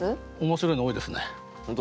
面白いの多いですね。